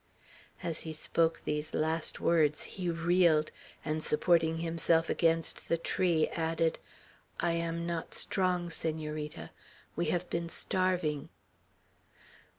As he spoke the last words, he reeled, and, supporting himself against the tree, added: "I am not strong, Senorita; we have been starving."